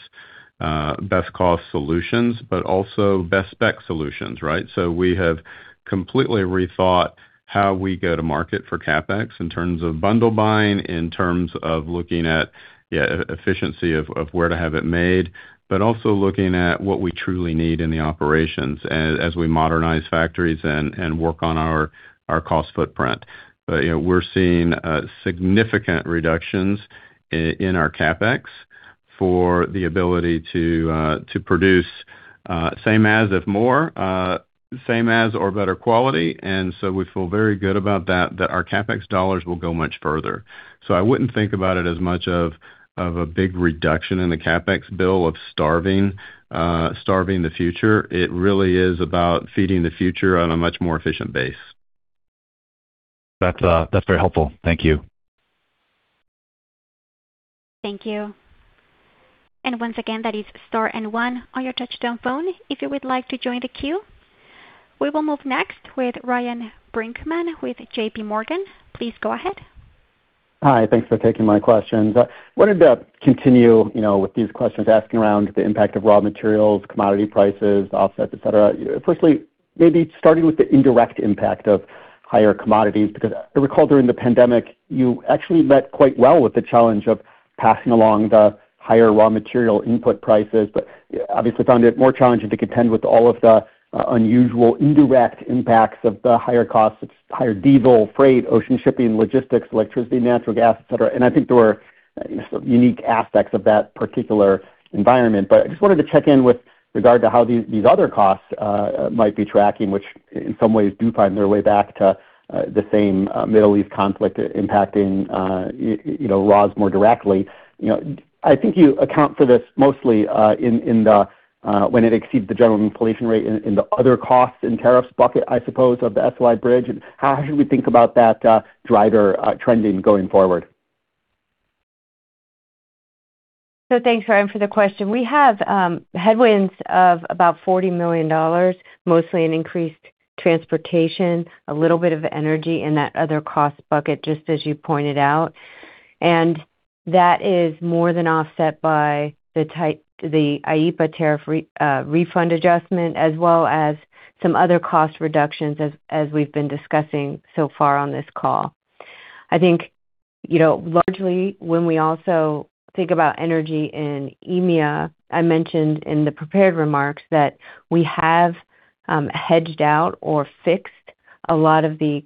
best cost solutions, but also best spec solutions, right? We have completely rethought how we go to market for CapEx in terms of bundle buying, in terms of looking at, yeah, efficiency of where to have it made, but also looking at what we truly need in the operations as we modernize factories and work on our cost footprint. You know, we're seeing significant reductions in our CapEx for the ability to produce same as, if more, same as or better quality. We feel very good about that our CapEx dollars will go much further. I wouldn't think about it as much of a big reduction in the CapEx bill of starving the future. It really is about feeding the future on a much more efficient base. That's, that's very helpful. Thank you. Thank you. Once again, that is star and one on your touch-tone phone if you would like to join the queue. We will move next with Ryan Brinkman with JPMorgan. Please go ahead. Hi. Thanks for taking my questions. I wanted to continue, you know, with these questions asking around the impact of raw materials, commodity prices, offsets, et cetera. Firstly, maybe starting with the indirect impact of higher commodities, because I recall during the pandemic, you actually met quite well with the challenge of passing along the higher raw material input prices, but obviously found it more challenging to contend with all of the unusual indirect impacts of the higher costs of higher diesel, freight, ocean shipping, logistics, electricity, natural gas, et cetera. I think there were some unique aspects of that particular environment. I just wanted to check in with regard to how these other costs might be tracking, which in some ways do find their way back to the same Middle East conflict impacting, you know, raws more directly. You know, I think you account for this mostly, in the when it exceeds the general inflation rate in the other costs and tariffs bucket, I suppose, of the SOI bridge. How should we think about that driver trending going forward? Thanks, Ryan, for the question. We have headwinds of about $40 million, mostly in increased transportation, a little bit of energy in that other cost bucket, just as you pointed out. That is more than offset by the IEEPA tariff refund adjustment, as well as some other cost reductions as we've been discussing so far on this call. I think, you know, largely when we also think about energy in EMEA, I mentioned in the prepared remarks that we have hedged out or fixed a lot of the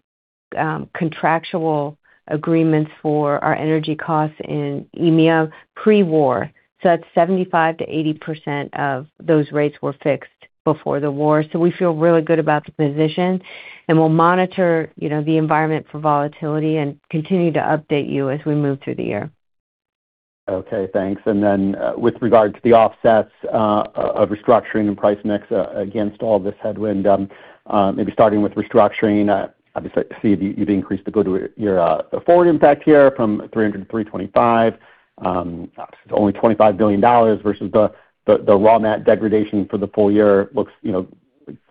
contractual agreements for our energy costs in EMEA pre-war. That's 75%-80% of those rates were fixed before the war. We feel really good about the position, and we'll monitor, you know, the environment for volatility and continue to update you as we move through the year. Okay, thanks. With regard to the offsets of restructuring and price mix against all this headwind, maybe starting with restructuring, obviously, I see you've increased the Goodyear Forward impact here from 335. It's only $25 billion versus the raw net degradation for the full year looks, you know,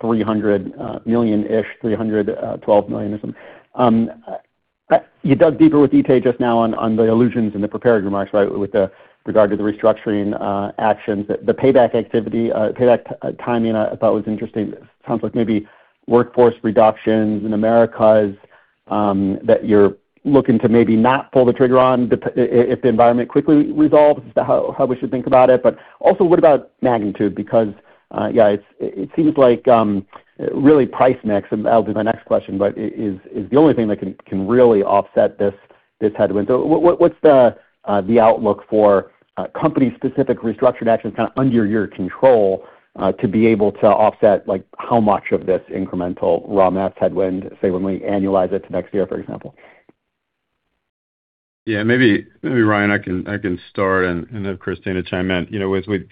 $300 million-ish, $312 million or something. You dug deeper with Itay just now on the allusions in the prepared remarks, right, with regard to the restructuring actions. The payback activity, payback timing I thought was interesting. Sounds like maybe workforce reductions in Americas that you're looking to maybe not pull the trigger on if the environment quickly resolves, is that how we should think about it? Also, what about magnitude? Because, yeah, it seems like really price mix, and that will be my next question, is the only thing that can really offset this headwind. What's the outlook for company-specific restructuring actions kind of under your control to be able to offset, like, how much of this incremental raw mass headwind, say, when we annualize it to next year, for example? Yeah, maybe Ryan, I can start and have Christina chime in. You know, as we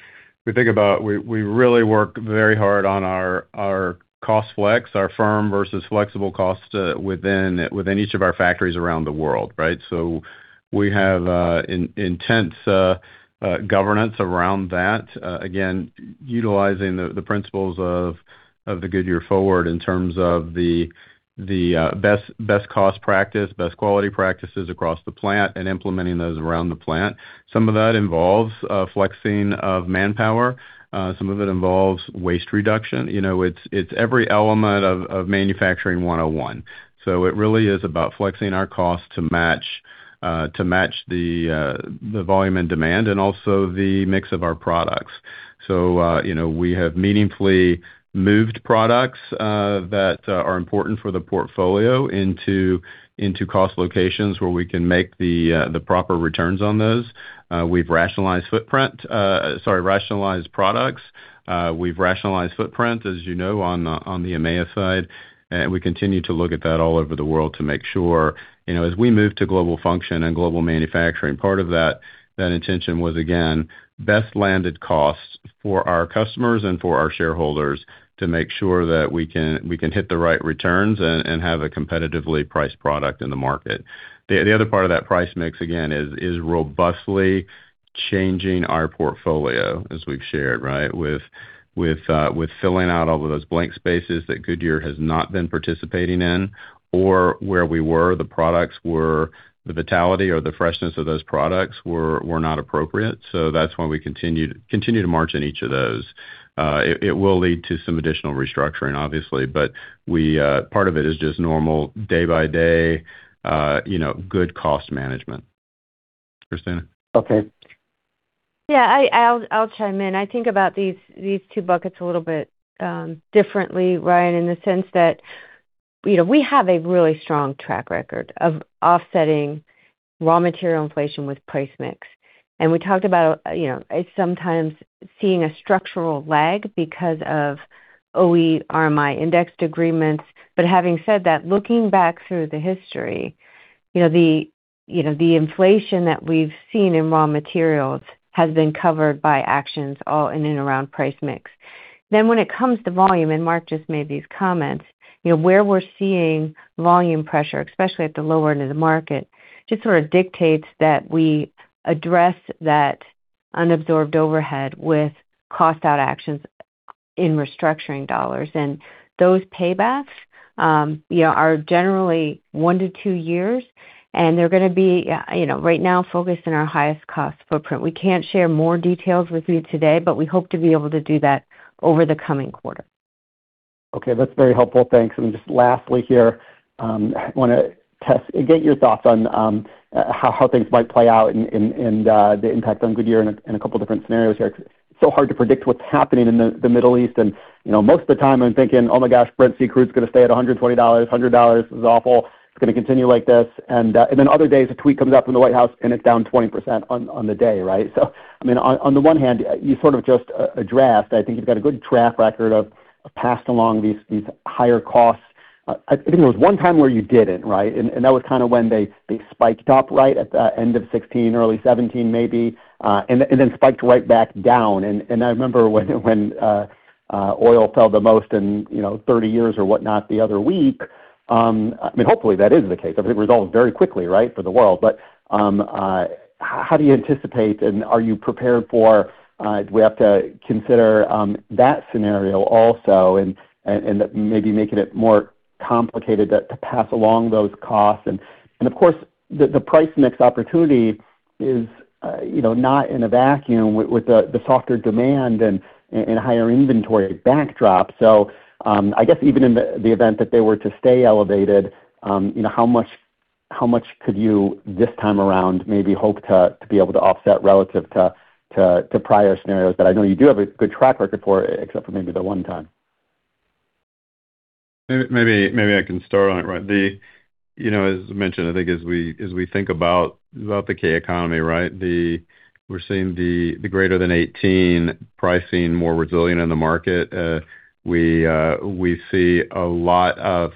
think about, we really work very hard on our cost flex, our firm versus flexible cost within each of our factories around the world, right? We have intense governance around that, again, utilizing the principles of the Goodyear Forward in terms of the best cost practice, best quality practices across the plant and implementing those around the plant. Some of that involves flexing of manpower. Some of it involves waste reduction. You know, it's every element of manufacturing 101. It really is about flexing our cost to match to match the volume and demand and also the mix of our products. You know, we have meaningfully moved products that are important for the portfolio into cost locations where we can make the proper returns on those. We've rationalized products. We've rationalized footprint, as you know, on the EMEA side. We continue to look at that all over the world to make sure, you know, as we move to global function and global manufacturing, part of that intention was, again, best landed costs for our customers and for our shareholders to make sure that we can hit the right returns and have a competitively priced product in the market. The other part of that price mix, again, is robustly changing our portfolio as we've shared, right? With filling out all of those blank spaces that Goodyear has not been participating in or where we were, the products were, the vitality or the freshness of those products were not appropriate. That's why we continue to march in each of those. It will lead to some additional restructuring obviously, but we, part of it is just normal day by day, you know, good cost management. Christina. Okay. Yeah, I'll chime in. I think about these two buckets a little bit differently, Ryan, in the sense that, you know, we have a really strong track record of offsetting raw material inflation with price mix. We talked about, you know, sometimes seeing a structural lag because of OE RMI indexed agreements. Having said that, looking back through the history, you know, the inflation that we've seen in raw materials has been covered by actions all in and around price mix. When it comes to volume, and Mark just made these comments, you know, where we're seeing volume pressure, especially at the lower end of the market, just sort of dictates that we address that unabsorbed overhead with cost out actions in restructuring dollars. Those paybacks, you know, are generally 1-2 years, and they're going to be, you know, right now focused in our highest cost footprint. We can't share more details with you today, but we hope to be able to do that over the coming quarter. Okay, that's very helpful. Thanks. Just lastly here, get your thoughts on how things might play out and the impact on Goodyear in a couple different scenarios here. It's so hard to predict what's happening in the Middle East. You know, most of the time I'm thinking, "Oh my gosh, Brent Crude is gonna stay at $120, $100. This is awful. It's gonna continue like this." Then other days, a tweet comes up from the White House, and it's down 20% on the day, right? I mean, on the one hand, you sort of just addressed, I think you've got a good track record of passing along these higher costs. I think there was one time where you didn't, right? That was kinda when they spiked up right at the end of 2016, early 2017 maybe, and then spiked right back down. I remember when oil fell the most in, you know, 30 years or whatnot the other week, I mean, hopefully, that is the case. Everything resolved very quickly, right, for the world. How do you anticipate and are you prepared for, do we have to consider that scenario also and maybe making it more complicated to pass along those costs? Of course, the price mix opportunity is, you know, not in a vacuum with the softer demand and higher inventory backdrop. I guess even in the event that they were to stay elevated, you know, how much could you this time around maybe hope to be able to offset relative to prior scenarios? I know you do have a good track record for it, except for maybe the one time. Maybe I can start on it, right. You know, as mentioned, I think as we think about the K-shaped economy, right? We're seeing the greater than 18 pricing more resilient in the market. We see a lot of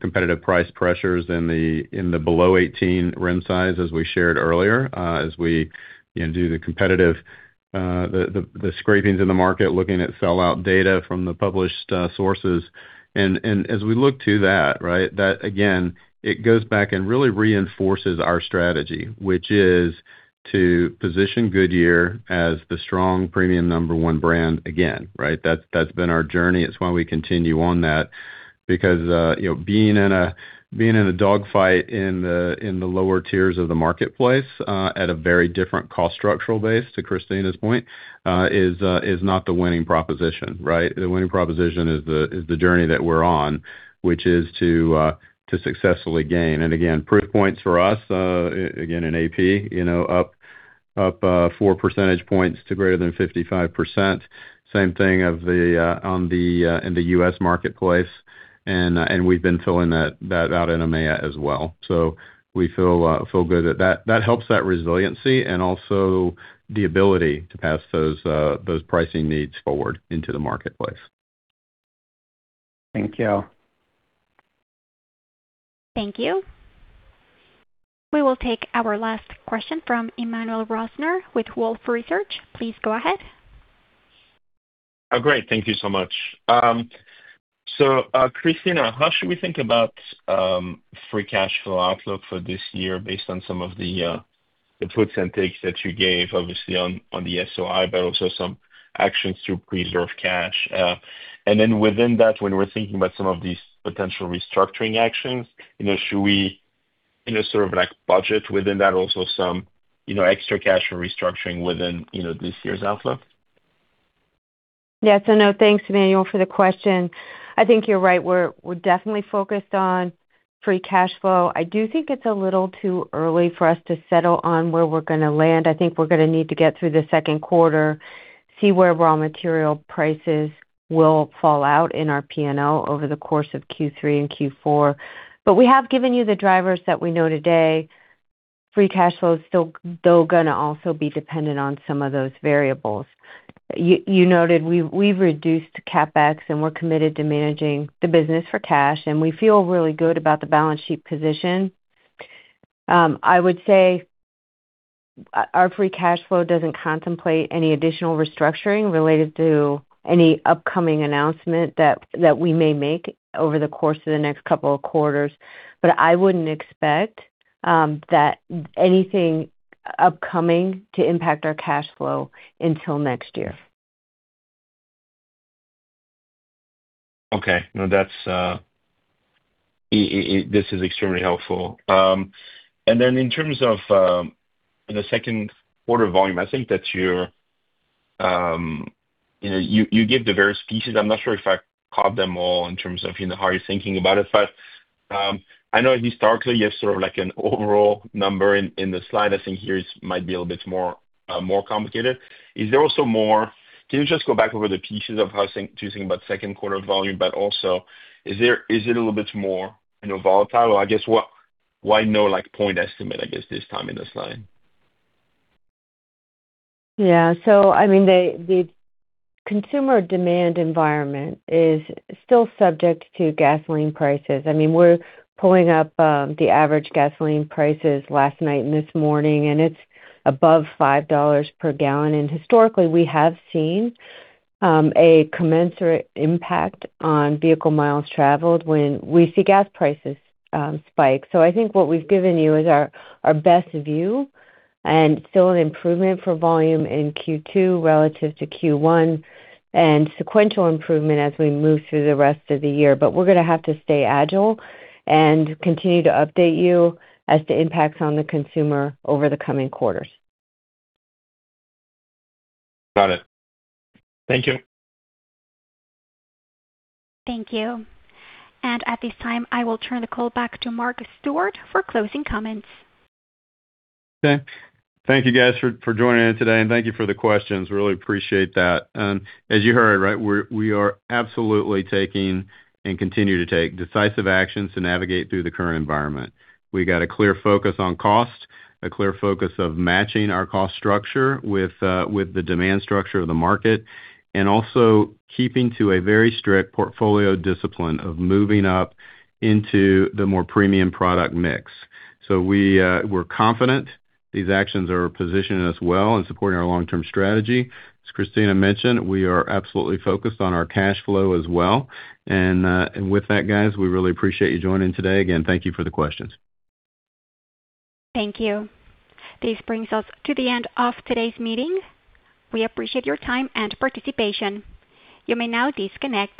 competitive price pressures in the below 18 rim size, as we shared earlier, as we, you know, do the competitive, the scrapings in the market, looking at sellout data from the published sources. As we look to that, right? That again, it goes back and really reinforces our strategy, which is to position Goodyear as the strong premium number 1 brand again, right? That's been our journey. It's why we continue on that. You know, being in a dogfight in the lower tiers of the marketplace, at a very different cost structural base, to Christina's point, is not the winning proposition, right? The winning proposition is the journey that we're on, which is to successfully gain. Again, proof points for us, again in AP, you know, up 4 percentage points to greater than 55%. Same thing on the in the U.S. marketplace. We've been filling that out in EMEA as well. We feel good that that helps that resiliency and also the ability to pass those pricing needs forward into the marketplace. Thank you. Thank you. We will take our last question from Emmanuel Rosner with Wolfe Research. Please go ahead. Oh, great. Thank you so much. Christina, how should we think about free cash flow outlook for this year based on some of the puts and takes that you gave, obviously on the SOI, but also some actions to preserve cash? Within that, when we're thinking about some of these potential restructuring actions, you know, should we, in a sort of like budget within that also some, you know, extra cash for restructuring within, you know, this year's outlook? No, thanks, Emmanuel, for the question. I think you're right. We're definitely focused on free cash flow. I do think it's a little too early for us to settle on where we're gonna land. I think we're gonna need to get through the second quarter, see where raw material prices will fall out in our P&L over the course of Q3 and Q4. We have given you the drivers that we know today. Free cash flow is still though gonna also be dependent on some of those variables. You noted we've reduced CapEx, and we're committed to managing the business for cash, and we feel really good about the balance sheet position. I would say our free cash flow doesn't contemplate any additional restructuring related to any upcoming announcement that we may make over the course of the next couple of quarters. I wouldn't expect that anything upcoming to impact our cash flow until next year. Okay. No, that's, this is extremely helpful. In terms of, in the second quarter volume, I think that you're, you know, you give the various pieces. I'm not sure if I caught them all in terms of, you know, how you're thinking about it. I know historically you have sort of like an overall number in the slide. I think here it might be a little bit more complicated. Is there also more? Can you just go back over the pieces of how to think about second quarter volume, but also, is it a little bit more, you know, volatile? I guess why no, like, point estimate, this time in the slide? I mean, the consumer demand environment is still subject to gasoline prices. I mean, we're pulling up the average gasoline prices last night and this morning, and it's above $5 per gallon. Historically, we have seen a commensurate impact on vehicle miles traveled when we see gas prices spike. I think what we've given you is our best view and still an improvement for volume in Q2 relative to Q1 and sequential improvement as we move through the rest of the year. We're gonna have to stay agile and continue to update you as to impacts on the consumer over the coming quarters. Got it. Thank you. Thank you. At this time, I will turn the call back to Mark Stewart for closing comments. Thank you guys for joining in today, and thank you for the questions. Really appreciate that. As you heard, right, we are absolutely taking and continue to take decisive actions to navigate through the current environment. We got a clear focus on cost, a clear focus of matching our cost structure with the demand structure of the market, and also keeping to a very strict portfolio discipline of moving up into the more premium product mix. We're confident these actions are positioning us well and supporting our long-term strategy. As Christina mentioned, we are absolutely focused on our cash flow as well. With that, guys, we really appreciate you joining today. Again, thank you for the questions. Thank you. This brings us to the end of today's meeting. We appreciate your time and participation. You may now disconnect.